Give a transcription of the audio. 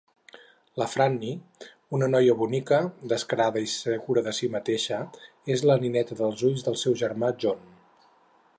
La Franny, una noia bonica, descarada i segura de si mateixa, és la nineta dels ulls del seu germà John.